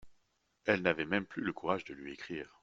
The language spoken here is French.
Elle n'avait même plus le courage de lui écrire.